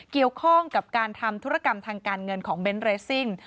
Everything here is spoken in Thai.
เกี่ยวข้องกับการทำธุรกรรมทางการเงินของเบนท์เรซิ่ง